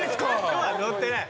今日はノッてない。